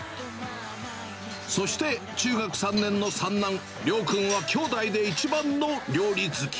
そして、中学３年の三男、諒君は兄弟で一番の料理好き。